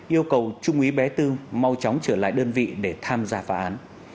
yêu cầu trung úy bé tư mau chóng trở lại đơn vị để tham gia phá án